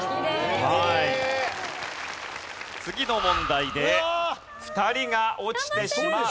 次の問題で２人が落ちてしまう。